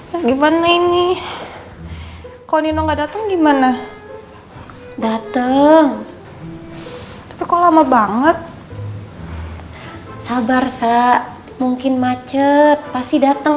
sih gimana ini konon nggak datang gimana dateng kok lama banget sabar se mungkin macet pasti dateng